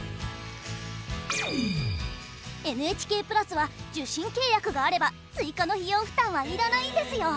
ＮＨＫプラスは受信契約があれば追加の費用負担は要らないんですよ。